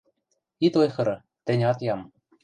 – Ит ойхыры, тӹнь ат ям.